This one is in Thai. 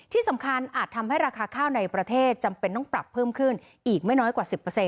ที่สำคัญอาจทำให้ราคาข้าวในประเทศจำเป็นต้องปรับเพิ่มขึ้นอีกไม่น้อยกว่า๑๐